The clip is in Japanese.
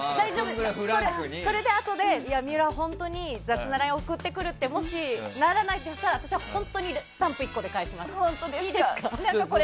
それで、あとで本当に水卜は雑なＬＩＮＥを送ってくるってもし、ならないとしたら私は本当にスタンプ１個で返します。